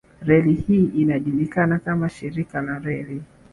Reli hii inajulikana kama shirika la reli